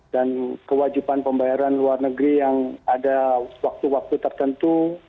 dan kewajiban pembayaran luar negeri yang ada waktu waktu tertentu